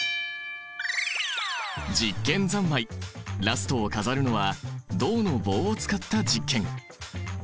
実験三昧ラストを飾るのは銅の棒を使った実験！